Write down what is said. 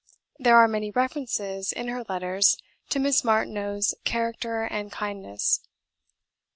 There are many references in her letters to Miss Martineau's character and kindness.